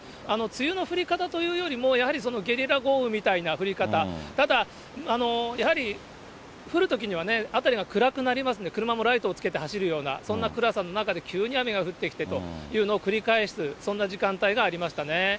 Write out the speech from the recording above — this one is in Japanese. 梅雨の降り方というよりもやはりゲリラ豪雨みたいな降り方、ただ、やはり降るときにはね、辺りが暗くなりますので、車もライトをつけて走るような、そんな暗さの中で急に雨が降ってきてというのを繰り返す、そんな時間帯がありましたね。